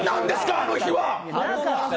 あの日は！